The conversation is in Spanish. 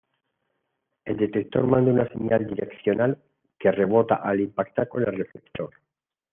El detector manda una señal direccional que rebota al impactar con un reflector.